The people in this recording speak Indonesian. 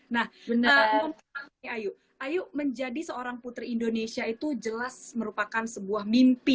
nah mau nanya nih ayu ayu menjadi seorang putri indonesia itu jelas merupakan sebuah mimpi